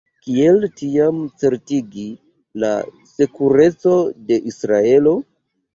Kiel tiam certigi la sekurecon de Israelo?